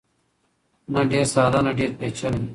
نه ډېر ساده نه ډېر پېچلی.